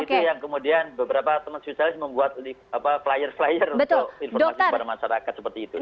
itu yang kemudian beberapa teman spesialis membuat flyer flyer untuk informasi kepada masyarakat seperti itu